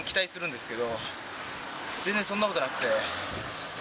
全然そんなことなくて。